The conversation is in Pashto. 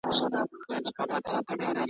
لکه جوړه له ګوهرو له الماسه .